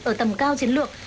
ở tầm cao chiến lược